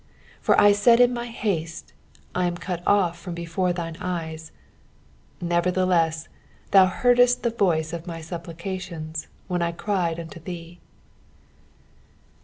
22 For I said in my haste, I am cut off from before thine eyes : nevertheless thou heardest the voice of my supplications when I cried unto thee.